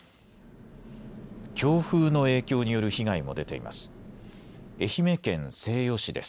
強風の影響による被害も出てます。